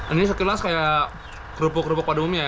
ini sekilas kayak kerupuk kerupuk pada umumnya ya